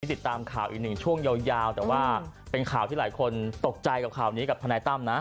ติดตามข่าวอีกหนึ่งช่วงยาวแต่ว่าเป็นข่าวที่หลายคนตกใจกับข่าวนี้กับทนายตั้มนะ